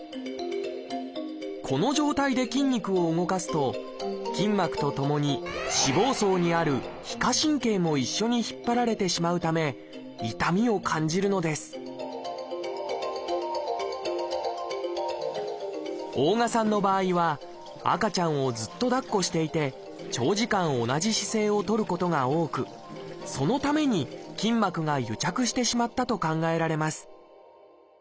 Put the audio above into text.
この状態で筋肉を動かすと筋膜とともに脂肪層にある「皮下神経」も一緒に引っ張られてしまうため痛みを感じるのです大我さんの場合は赤ちゃんをずっとだっこしていて長時間同じ姿勢をとることが多くそのために筋膜が癒着してしまったと考えられます